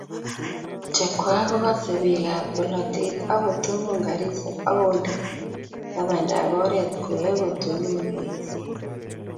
chekwai kokase biikab bolatet ak kotonon garisiek ak konde tababdap oret koyae kotonon boisiet